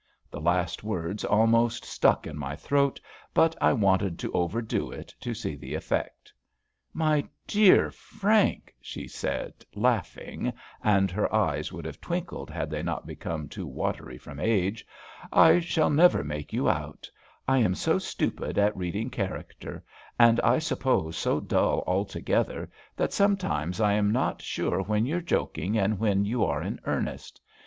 The last words almost stuck in my throat; but I wanted to overdo it, to see the effect. "My dear Frank," she said, laughing, and her eyes would have twinkled had they not become too watery from age, "I shall never make you out; I am so stupid at reading character, and I suppose so dull altogether, that sometimes I am not sure when you're joking and when you are in earnest.